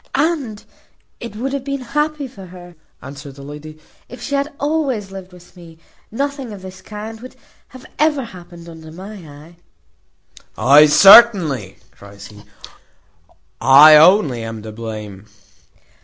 "And it would have been happy for her," answered the lady, "if she had always lived with me. Nothing of this kind would have happened under my eye." "Ay, certainly," cries he, "I only am to blame."